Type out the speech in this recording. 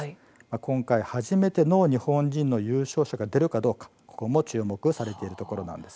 今回、初めての日本人の優勝者が出るかどうかそこも注目されているところなんです。